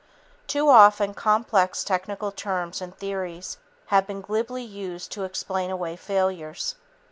Too often, complex technical terms and theories have been glibly used to explain away failures.